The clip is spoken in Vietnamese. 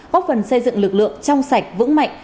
góp phần xây dựng lực lượng trong sạch vững mạnh